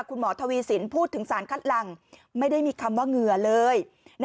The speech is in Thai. คุณหมอทวีสินพูดถึงสารคัดหลังไม่ได้มีคำว่าเหงื่อเลย